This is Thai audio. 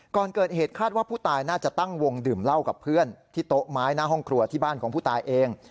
ก่อนเกิดเหตุคาดว่าผู้ตายน่าจะตั้งวงดื่มเหล้ากับเพื่อนที่โต๊ะไม้หน้าห้องครัวที่บ้านของผู้ตายเอง